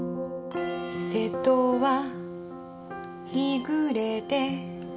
瀬戸は日暮れて